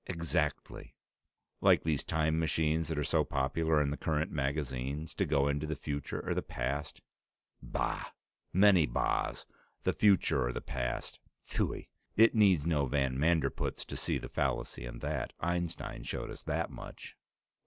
"Exactly." "Like these time machines that are so popular in the current magazines? To go into the future or the past?" "Bah! Many bahs! The future or the past pfui! It needs no van Manderpootz to see the fallacy in that. Einstein showed us that much."